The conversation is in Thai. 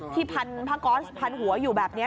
ที่พันธุ์พระก้อนพันธุ์หัวอยู่แบบนี้